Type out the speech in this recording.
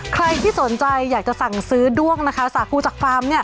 ใครที่สนใจอยากจะสั่งซื้อด้วงนะคะสาคูจากฟาร์มเนี่ย